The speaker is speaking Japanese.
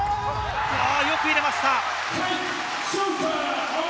よく入れました。